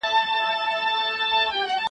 • څارنوال د ځان په جُرم نه پوهېږي,